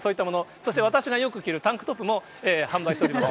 そして私がよく着るタンクトップも販売しております。